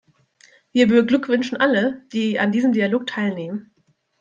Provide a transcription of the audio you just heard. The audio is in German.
Wir beglückwünschen alle, die an diesem Dialog teilnehmen.